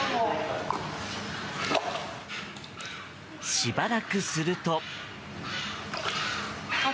しばらくすると。